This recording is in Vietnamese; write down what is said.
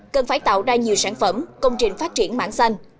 cần phải tạo ra nhiều sản phẩm công trình phát triển mảng xanh